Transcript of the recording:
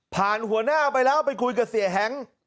ผ่านหัวหน้าใหม่ไปแล้วไปคุยกับเสียแฮงค์